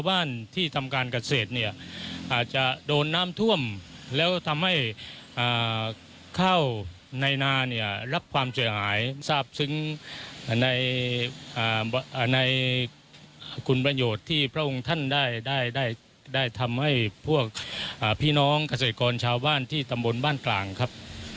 ที่ทำการเกษตรเนี่ยอาจจะโดนน้ำท่วมแล้วทำให้ข้าวในนาเนี่ยรับความเสียหายทราบซึ้งในคุณประโยชน์ที่พระองค์ท่านได้ทำให้พวกพี่น้องเกษตรกรชาวบ้านที่ตำบลบ้านกลางครับ